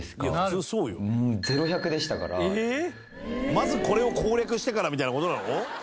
まずこれを攻略してからみたいな事なの？